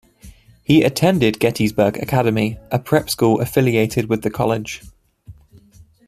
He attended Gettysburg Academy, a prep school affiliated with the college.